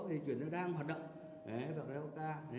vì chuyện đó đang hoạt động